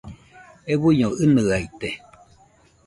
Euiño ɨnɨaite.